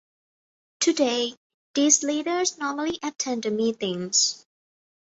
Today, these leaders normally attend the meetings.